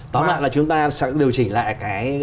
tóm lại là chúng ta sẽ điều chỉnh lại